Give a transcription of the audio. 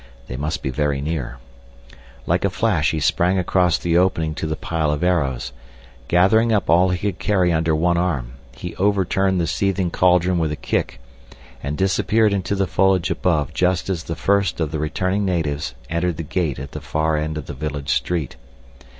They must be very near. Like a flash he sprang across the opening to the pile of arrows. Gathering up all he could carry under one arm, he overturned the seething cauldron with a kick, and disappeared into the foliage above just as the first of the returning natives entered the gate at the far end of the village street.